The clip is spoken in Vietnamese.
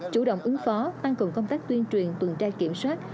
chủ động ứng phó tăng cường công tác tuyên truyền tuần tra kiểm soát